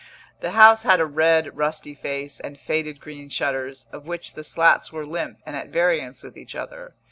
The house had a red, rusty face, and faded green shutters, of which the slats were limp and at variance with each other.